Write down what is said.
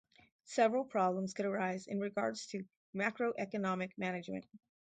Several problems could arise in regards to macroeconomic management.